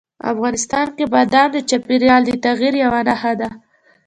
افغانستان کې بادام د چاپېریال د تغیر یوه نښه ده.